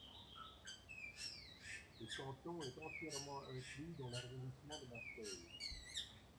Le canton est entièrement inclus dans l'arrondissement de Marseille.